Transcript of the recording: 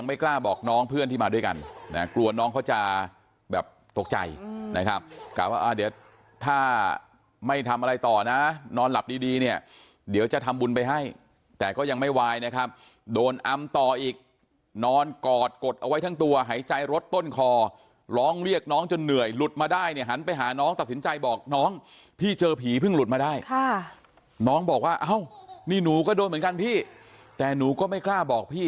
ไม่กล้าบอกน้องเพื่อนที่มาด้วยกันนะกลัวน้องเขาจะแบบตกใจนะครับกะว่าเดี๋ยวถ้าไม่ทำอะไรต่อนะนอนหลับดีดีเนี่ยเดี๋ยวจะทำบุญไปให้แต่ก็ยังไม่วายนะครับโดนอำต่ออีกนอนกอดกดเอาไว้ทั้งตัวหายใจรถต้นคอร้องเรียกน้องจนเหนื่อยหลุดมาได้เนี่ยหันไปหาน้องตัดสินใจบอกน้องพี่เจอผีเพิ่งหลุดมาได้ค่ะน้องบอกว่าเอ้านี่หนูก็โดนเหมือนกันพี่แต่หนูก็ไม่กล้าบอกพี่